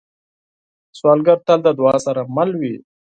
سوالګر تل د دعا سره مل وي